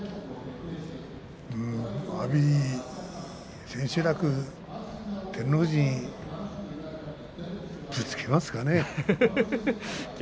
阿炎、千秋楽照ノ富士ぶつけますかね。